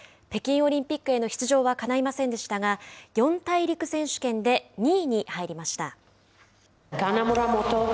北京オリンピックへの出場はかないませんでしたが四大陸選手権で２位に入りました。